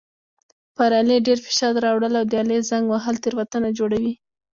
پر آلې ډېر فشار راوړل او د آلې زنګ وهل تېروتنه جوړوي.